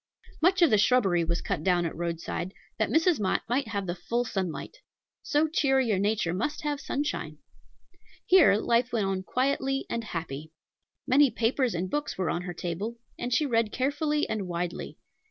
Much of the shrubbery was cut down at Roadside, that Mrs. Mott might have the full sunlight. So cheery a nature must have sunshine. Here life went on quietly and happy. Many papers and books were on her table, and she read carefully and widely.